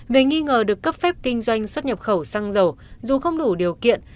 về nghi ngờ được cấp phép kinh doanh xuất nhập khẩu xăng dầu dù không đủ điều kiện